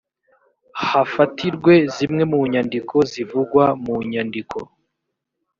hafatirwe zimwe mu nyandiko zivugwa munyandiko